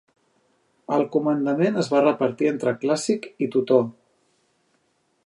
El comandament es va repartir entre Clàssic i Tutor.